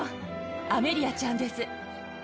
アメリアちゃんです。